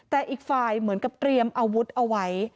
แต่อีกฝ่ายเหมือนกับเตรียมอาวุธเอาไว้